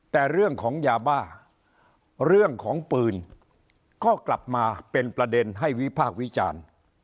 แต่เรื่องของยาบ้าเรื่องของปืนก็กลับมาเป็นประเด็นให้วิพากษ์วิจารณ์